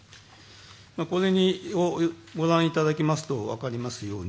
これにご覧いただきますと分かりますように